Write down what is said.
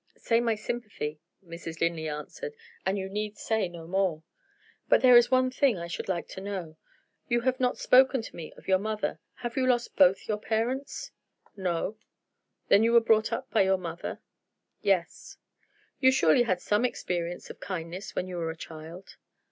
"Say my sympathy," Mrs. Linley answered, "and you need say no more. But there is one thing I should like to know. You have not spoken to me of your mother. Have you lost both your parents?" "No." "Then you were brought up by your mother?" "Yes." "You surely had some experience of kindness when you were a child?"